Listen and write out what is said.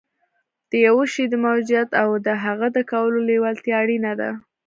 د یوه شي د موجودیت او د هغه د کولو لېوالتیا اړینه ده